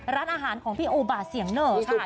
ร้านอาหารของพี่โอบาเสียงเหนอค่ะ